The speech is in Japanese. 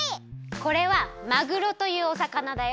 これはまぐろというお魚だよ。